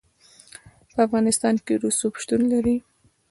په افغانستان کې رسوب شتون لري.